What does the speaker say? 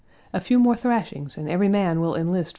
A few more thrashings and every man will enlist for the 1.